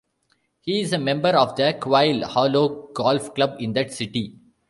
He is a member of the Quail Hollow Golf Club in that city.